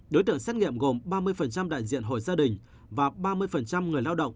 đối tượng xét nghiệm gồm ba mươi đại diện hội gia đình và ba mươi người lao động